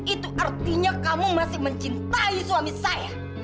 itu artinya kamu masih mencintai suami saya